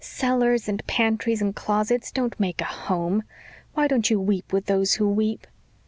"Cellars and pantries and closets don't make a HOME. Why don't you weep with those who weep?"